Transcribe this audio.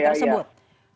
sudah ada bukti